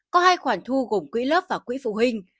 có hai khoản thu gồm quỹ lớp và quỹ phụ huynh